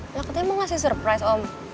ya kita emang ngasih surprise om